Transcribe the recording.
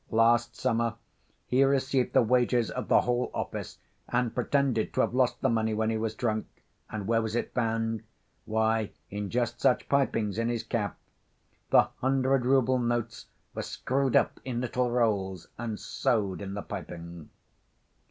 "Last summer he received the wages of the whole office, and pretended to have lost the money when he was drunk. And where was it found? Why, in just such pipings in his cap. The hundred‐rouble notes were screwed up in little rolls and sewed in the piping."